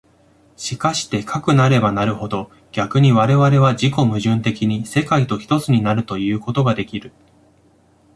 しかしてかくなればなるほど、逆に我々は自己矛盾的に世界と一つになるということができる。